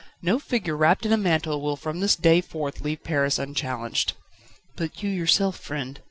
No figure wrapped in a mantle will from this day forth leave Paris unchallenged." "But you yourself, friend?"